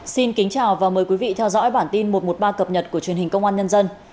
xin kính chào và mời quý vị theo dõi bản tin một trăm một mươi ba cập nhật của truyền hình công an nhân dân